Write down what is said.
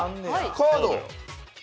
カード。